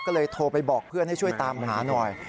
ก็เลยโทรไปบอกเพื่อนให้ช่วยตามหาหน่อย